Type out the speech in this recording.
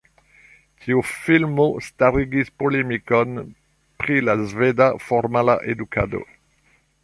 Tiu filmo starigis polemikon pri la sveda formala edukado.